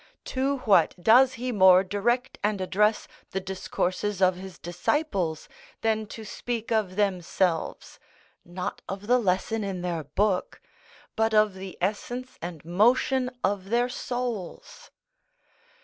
To what does he more direct and address the discourses of his disciples, than to speak of themselves, not of the lesson in their book, but of the essence and motion of their souls?